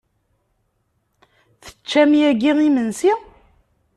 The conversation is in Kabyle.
Teččam yagi imensi?